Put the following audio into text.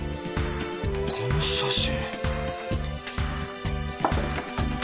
この写真！